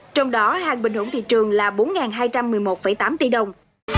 trong đó hàng bình ổn thị trường là bốn hai trăm một mươi một tám tỷ đồng